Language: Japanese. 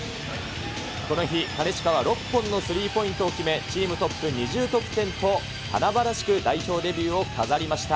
この日、金近は６本のスリーポイントを決め、チームトップ２０得点と、華々しく代表デビューを飾りました。